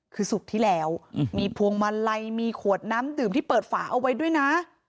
คือศุกร์ที่แล้วมีพวงมาลัยมีขวดน้ำดื่มที่เปิดฝาเอาไว้ด้วยนะ